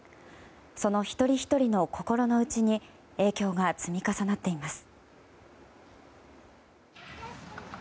その一人ひとりの心の内に影響が積み重なっています。